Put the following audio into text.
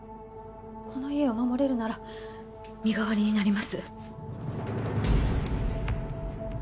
この家を守れるなら身代わりになります